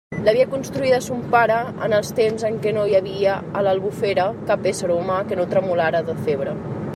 L'havia construïda son pare en els temps en què no hi havia a l'Albufera cap ésser humà que no tremolara de febre.